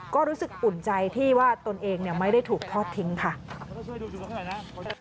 ก็รู้สึกอุ่นใจที่ว่าตนเองไม่ได้ถูกทอดทิ้งค่ะ